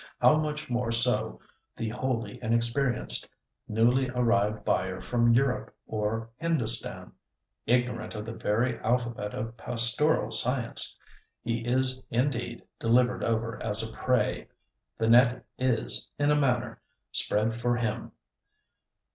How much more so the wholly inexperienced, newly arrived buyer from Europe, or Hindustan—ignorant of the very alphabet of pastoral science! He is indeed delivered over as a prey. The net is, in a manner, spread for him.